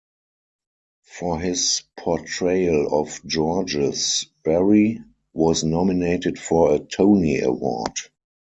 For his portrayal of Georges, Barry was nominated for a Tony Award.